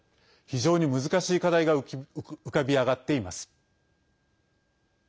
非常に難しい課題が浮かび上がっています。